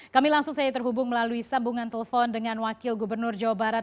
kami langsung saja terhubung melalui sambungan telepon dengan wakil gubernur jawa barat